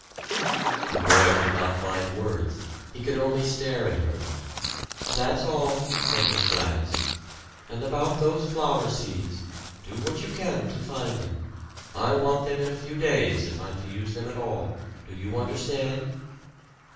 The boy could not find words. He could only stare at her. "That's all," said Miss Gladys. "And about those flower seeds do what you can to find them. I want them in a few days, if I'm to use them at all. Do you understand?"